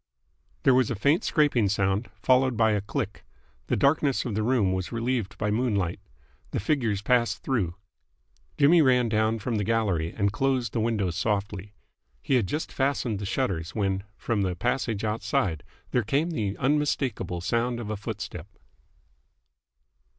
There was a faint scraping sound, followed by a click. The darkness of the room was relieved by moonlight. The figures passed through. Jimmy ran down from the gallery, and closed the windows softly. He had just fastened the shutters, when from the passage outside there came the unmistakeable sound of a footstep.